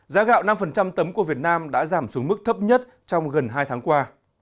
giá gạo năm tấm của việt nam đã giảm xuống mức thấp nhất trong gần hai tháng qua